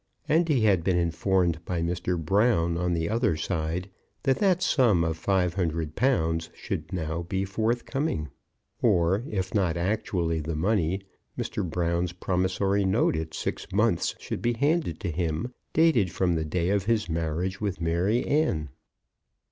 And he had been informed by Mr. Brown, on the other side, that that sum of five hundred pounds should be now forthcoming; or, if not actually the money, Mr. Brown's promissory note at six months should be handed to him, dated from the day of his marriage with Maryanne.